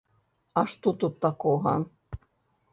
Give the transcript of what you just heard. А што тут такога?